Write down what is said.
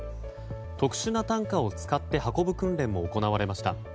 特殊な担架を使って運ぶ訓練も行われました。